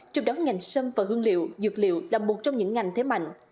trong đó ngành sâm và hương liệu dược liệu là một trong những ngành thế mạnh